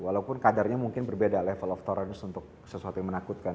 walaupun kadarnya mungkin berbeda level of torance untuk sesuatu yang menakutkan